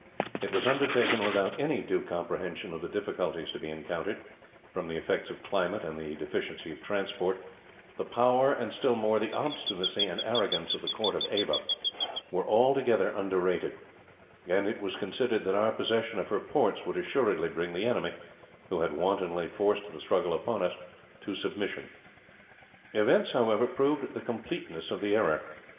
It was undertaken without any due comprehension of the difficulties to be encountered, from the effects of climate and the deficiency of transport; the power, and still more the obstinacy and arrogance of the court of Ava were altogether underrated; and it was considered that our possession of her ports would assuredly bring the enemy, who had wantonly forced the struggle upon us, to submission. Events, however, proved the completeness of the error.